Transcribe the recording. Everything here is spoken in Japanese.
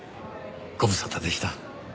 ご無沙汰でした。